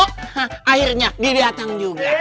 hah akhirnya didatang juga